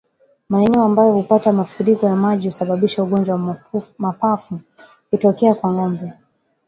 Maeneo ambayo hupata mafuriko ya maji husababisha ugonjwa wa mapafu kutokea kwa ngombe